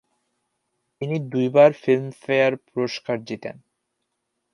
তিনি দুইবার ফিল্মফেয়ার পুরস্কার জেতেন।